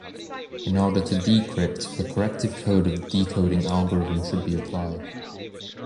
In order to decrypt, the corrective code of the decoding algorithm should be applied.